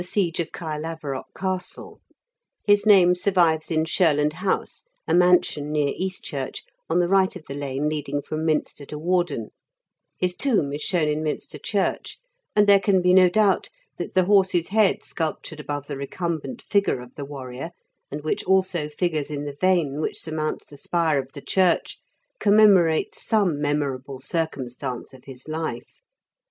73 siege of Caerlaverock Castle ; his name sur vives in Shurland House, a mansion near East church, on the right of the lane leading from Minster to Warden; his tomb is shown in Minster Church ; and there can be no doubt that the horse's head sculptured above the recumbent figure of the warrior, and which also figures in the vane which surmounts the spire of the church, commemorates some memorable circumstance of his life.